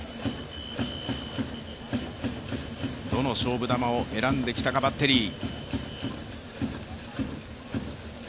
どの勝負球を選んできたか、バッテリー。